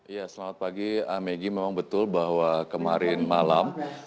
ya selamat pagi megi memang betul bahwa kemarin malam